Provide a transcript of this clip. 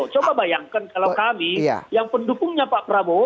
coba bayangkan kalau kami yang pendukungnya pak prabowo